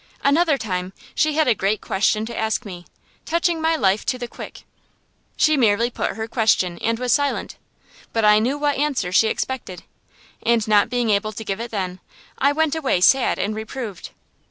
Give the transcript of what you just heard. Another time she had a great question to ask me, touching my life to the quick. She merely put her question, and was silent; but I knew what answer she expected, and not being able to give it then, I went away sad and reproved.